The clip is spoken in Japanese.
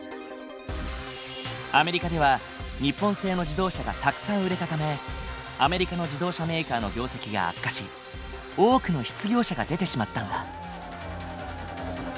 アメリカでは日本製の自動車がたくさん売れたためアメリカの自動車メーカーの業績が悪化し多くの失業者が出てしまったんだ。